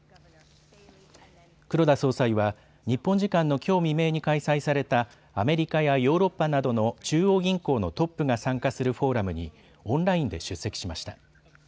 黒田総裁は日本時間のきょう未明に開催されたアメリカやヨーロッパなどの中央銀行のトップが参加するフォーラムにオンラインで出席しました。